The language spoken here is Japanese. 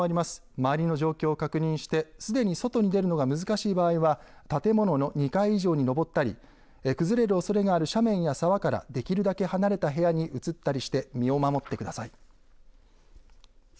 周りの状況を確認してすでに外に出るのが難しい場合は建物の２階以上に上ったり崩れるおそれのある崖や斜面からできるだけ離れたりして身を守ってください。